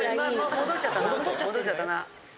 戻っちゃったな。